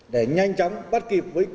để nhanh chóng bắt kịp với